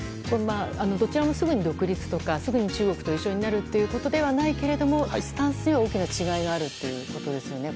どちらもすぐに独立とかすぐに中国と一緒になるということではないけれどもスタンスには大きな違いがあるということですよね。